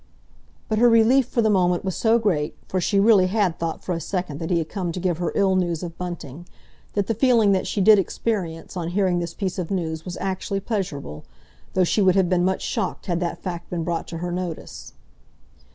But her relief for the moment was so great—for she really had thought for a second that he had come to give her ill news of Bunting—that the feeling that she did experience on hearing this piece of news was actually pleasurable, though she would have been much shocked had that fact been brought to her notice.